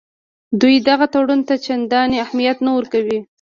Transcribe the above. دوی دغه تړون ته چندان اهمیت نه ورکوي.